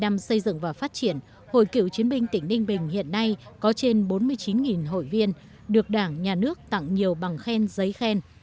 bảy mươi năm xây dựng và phát triển hội cựu chiến binh tỉnh đinh bình hiện nay có trên bốn mươi chín hội viên được đảng nhà nước tặng nhiều bằng khen giấy khen